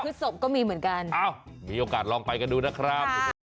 ศพก็มีเหมือนกันอ้าวมีโอกาสลองไปกันดูนะครับ